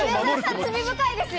罪深いですよ。